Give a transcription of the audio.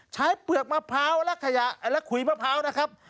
ใช้เปลือกมะพร้าวและขุยมะพร้าวนะครับ